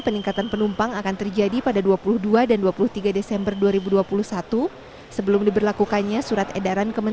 peningkatan penumpang akan terjadi pada dua puluh dua dan dua puluh tiga desember dua ribu dua puluh satu sebelum diberlakukannya surat edaran